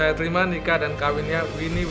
gimana saksi sah